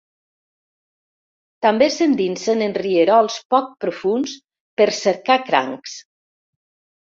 També s'endinsen en rierols poc profunds per cercar crancs.